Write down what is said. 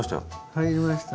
入りました。